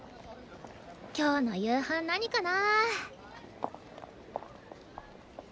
今日の夕飯何かな。